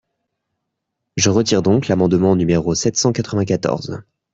Je retire donc l’amendement numéro sept cent quatre-vingt-quatorze.